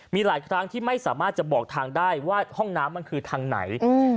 มีหลายครั้งที่ไม่สามารถจะบอกทางได้ว่าห้องน้ำมันคือทางไหน